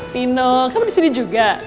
nino kamu disini juga